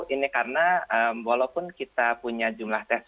ini karena walaupun kita punya jumlah tes